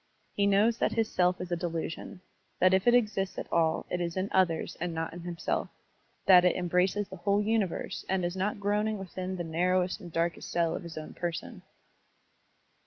He knows that his self is a delusion, that if it exists at all it is in others and not in himself, that it embraces the whole tmiverse and is not groaning. within the narrowest and darkest cell of his own person.